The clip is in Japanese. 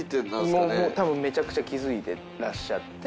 もうたぶんめちゃくちゃ気付いてらっしゃって。